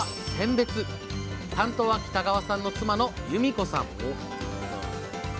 担当は北川さんの妻の由美子さん。